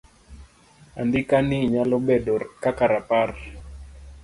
Andika ni nyalo bedo kaka rapar